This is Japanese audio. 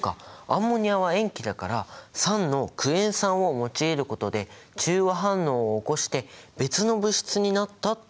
アンモニアは塩基だから酸のクエン酸を用いることで中和反応を起こして別の物質になったっていうことか。